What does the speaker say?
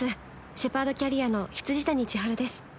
シェパードキャリアの未谷千晴です。